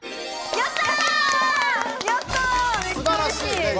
やった！